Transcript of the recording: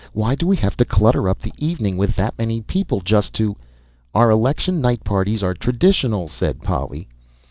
"Why do we have to clutter up the evening with that many people just to " "Our election night parties are traditional," said Polly.